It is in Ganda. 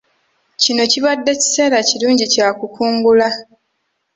Kino kibadde kiseera kirungi kya kukungula.